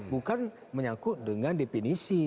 bukan menyangkut dengan definisi